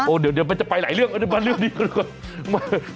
โอ้เดี๋ยวมันจะไปหลายเรื่องมาเรื่องนี้ก็ดูก่อน